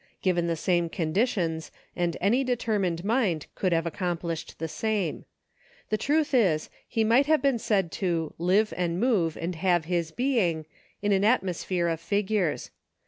Given the same conditions and any determined mind would have accomplished the same. The truth is, 148 EXPERIMENTS. he might have been said to " live and move and have his being" in an atmosphere of figures.